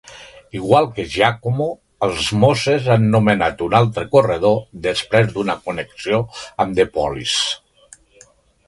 Igual que Giacomo, els Mosses han nomenat un altre corredor després d'una connexió amb The Police.